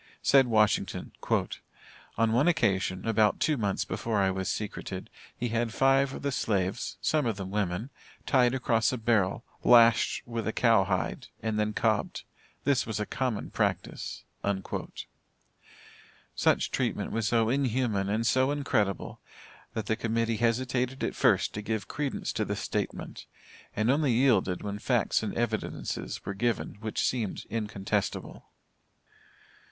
Said Washington, "On one occasion, about two months before I was secreted, he had five of the slaves (some of them women) tied across a barrel, lashed with the cow hide and then cobbed this was a common practice." Such treatment was so inhuman and so incredible, that the Committee hesitated at first to give credence to the statement, and only yielded when facts and evidences were given which seemed incontestible.